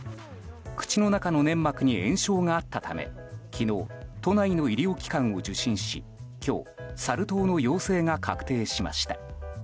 口の中の粘膜に炎症があったため昨日、都内の医療機関を受診し今日、サル痘の陽性が確定しました。